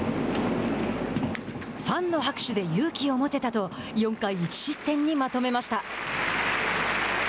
ファンの拍手で勇気を持てたと４回１失点にまとめました。